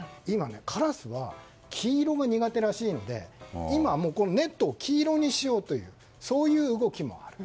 カラスは黄色が苦手らしいのでネットを黄色にしようという動きもある。